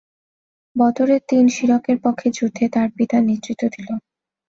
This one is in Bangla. বদরের দিন শিরকের পক্ষে যুদ্ধে তাঁর পিতা নেতৃত্ব দিল।